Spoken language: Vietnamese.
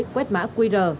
quét mã qr